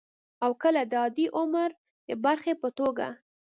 او کله د عادي عمر د برخې په توګه